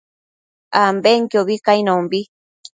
ambenquiobi cainombi